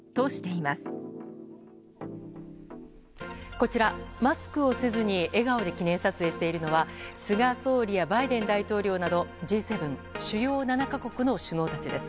こちら、マスクをせずに笑顔で記念撮影しているのは菅総理やバイデン大統領などＧ７・主要７か国の首脳たちです。